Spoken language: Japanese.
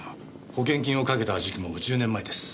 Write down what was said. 保険金をかけた時期も１０年前です。